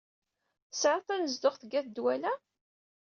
Tesɛiḍ tanezduɣt deg at Dwala?